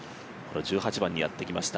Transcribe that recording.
１８番にやってきました。